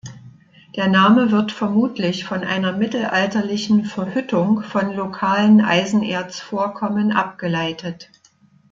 Der Name wird vermutlich von einer mittelalterlichen Verhüttung von lokalen Eisenerzvorkommen abgeleitet.